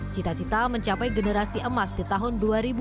cita cita mencapai generasi emas di tahun dua ribu dua puluh